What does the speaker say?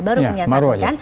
baru punya satu kan